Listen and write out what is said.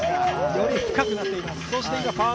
より深くなっています。